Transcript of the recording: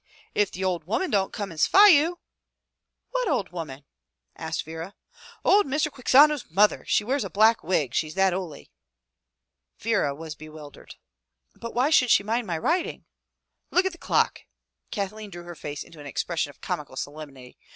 If the ould woman don't come in and sphy you!" "What old woman?" asked Vera. "Ould Mr. Quixano's mother. She wears a black wig, she's that houly." Vera was bewildered. " But why should she mind my writing?" "Look at the clock," Kathleen drew her face into an expression of comical solemnity.